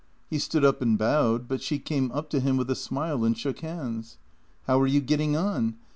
He stood up and bowed, but she came up to him with a smile and shook hands: "How are you getting on?